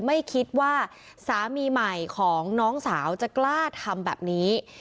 ไม่คิดว่าสามีใหม่ของน้องสาวจะกล้าทำแบบนี้